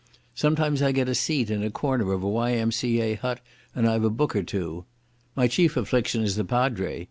Sometimes I get a seat in a corner of a Y.M.C.A. hut, and I've a book or two. My chief affliction is the padre.